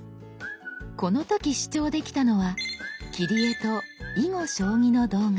この時視聴できたのは「切り絵」と「囲碁将棋」の動画。